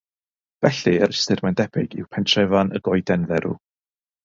Felly, yr ystyr mae'n debyg yw ‘pentrefan y goeden dderw'.